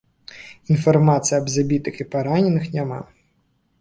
Інфармацыі аб забітых і параненых няма.